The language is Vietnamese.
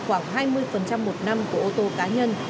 khoảng hai mươi một năm của ô tô cá nhân